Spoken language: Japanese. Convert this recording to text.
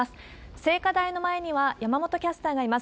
聖火台の前には山本キャスターがいます。